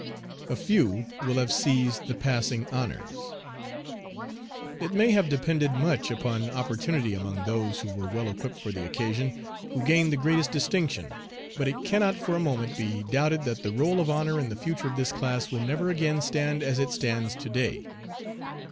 A few will have seized the passing honors. It may have depended much upon opportunity among those who were well equipped for the occasion, who gained the greatest distinction; but it cannot for a moment be doubted that the roll of honor in the future of this class will never again stand as it stands to day.